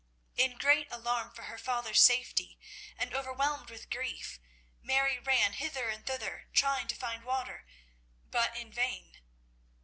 In great alarm for her father's safety, and overwhelmed with grief, Mary ran hither and thither trying to find water, but in vain.